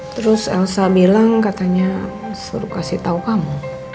terus elsa bilang katanya suruh kasih tahu kamu